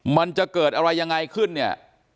มันจะเกิดอะไรยังไงขึ้นเนี่ย